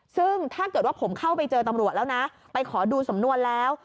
ซึ่งถ้าเกิดว่าผมเข้าไปเจอตำรวจแล้วนะไปขอดูสำนวนแล้ว